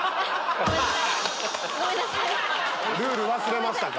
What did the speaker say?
ルール忘れましたか？